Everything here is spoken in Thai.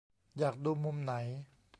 อยากดูมุมไหน